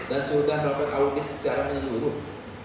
dan sudah melakukan audit secara menyuruh